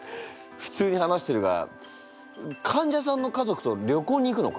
普通に話してるが患者さんの家族と旅行に行くのか？